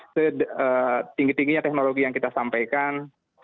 setinggi tingginya teknologi yang kita sampaikan